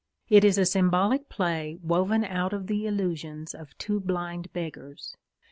It is a symbolic play woven out of the illusions of two blind beggars.